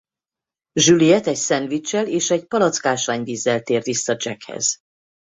Juliet egy szendviccsel és egy palack ásványvízzel tér vissza Jackhez.